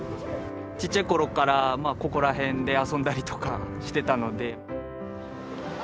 ちっちゃいころから、ここら辺で遊んだりとか、してたので。